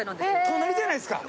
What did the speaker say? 隣じゃないですか。